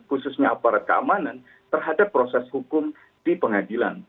khususnya aparat keamanan terhadap proses hukum di pengadilan